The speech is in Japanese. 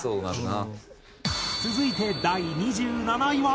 続いて第２７位は。